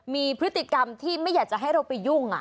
มีพฤติกรรมที่ไม่อยากจะให้เราไปยุ่ง